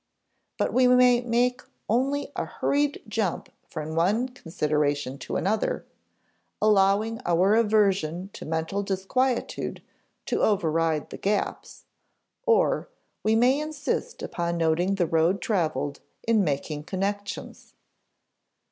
But we may make only a hurried jump from one consideration to another, allowing our aversion to mental disquietude to override the gaps; or, we may insist upon noting the road traveled in making connections.